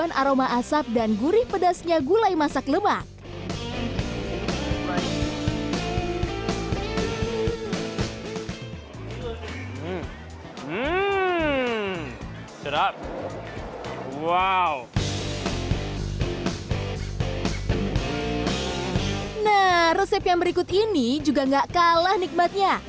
nah resep yang berikut ini juga gak kalah nikmatnya